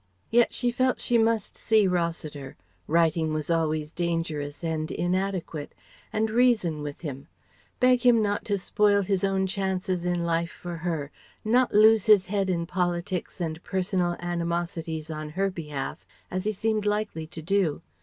Yet she felt she must see Rossiter writing was always dangerous and inadequate and reason with him; beg him not to spoil his own chances in life for her, not lose his head in politics and personal animosities on her behalf, as he seemed likely to do.